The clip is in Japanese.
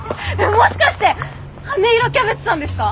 もしかして羽色キャベツさんですか？